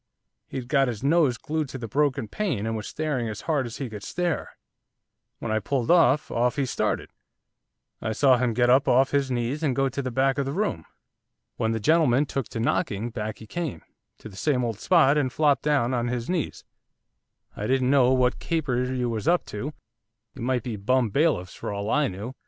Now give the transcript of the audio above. He'd got his nose glued to the broken pane, and was staring as hard as he could stare. When I pulled up, off he started, I saw him get up off his knees, and go to the back of the room. When the gentleman took to knocking, back he came, to the same old spot, and flopped down on his knees. I didn't know what caper you was up to, you might be bum bailiffs for all I knew!